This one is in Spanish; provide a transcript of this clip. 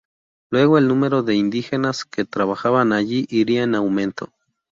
Luego el número de indígenas que trabajaban allí iría en aumento.